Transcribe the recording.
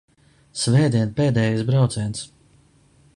Svētdien pēdējais brauciens.